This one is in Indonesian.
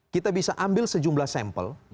kita ambil sejumlah sampel